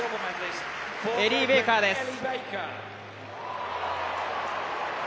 エリー・ベーカーです。